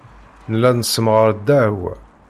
Nella nessemɣar ddeɛwa.